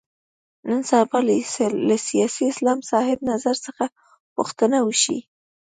نن سبا له سیاسي اسلام صاحب نظر څخه پوښتنه وشي.